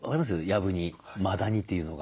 やぶにマダニというのが。